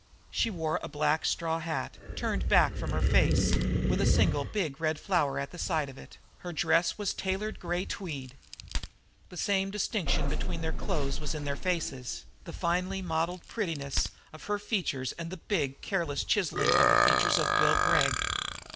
She wore a black straw hat, turned back from her face, with a single big red flower at the side of it; her dress was a tailored gray tweed. The same distinction between their clothes was in their faces, the finely modeled prettiness of her features and the big, careless chiseling of the features of Bill Gregg.